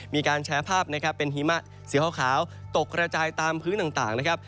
มีการแชร์ภาพนะครับเป็นหิมะสีขาวตกระจายตามพื้นต่างนะครับ